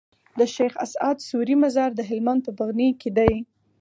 د شيخ اسعد سوري مزار د هلمند په بغنی کي دی